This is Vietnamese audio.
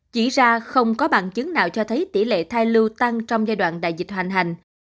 chỉ ra không có bằng chứng nào cho thấy tỷ lệ thai lưu tăng trong giai đoạn đại dịch hoành hành